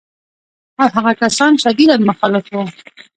ان هغه کسان شدیداً مخالف وو